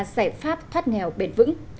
giải pháp thoát nghèo bền vững